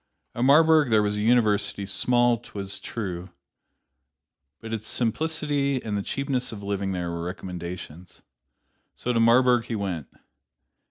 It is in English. At Marburg there was a University, small, 't was true, but its simplicity and the cheapness of living there were recommendations. So to Marburg he went.